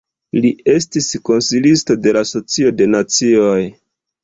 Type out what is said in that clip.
Li estis konsilisto de la Socio de Nacioj.